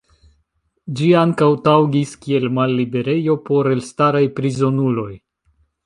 Ĝi ankaŭ taŭgis kiel malliberejo por elstaraj prizonuloj.